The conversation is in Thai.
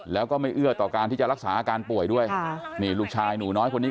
แล้วก็ไม่เอื้อต่อการที่จะรักษาอาการป่วยด้วยค่ะนี่ลูกชายหนูน้อยคนนี้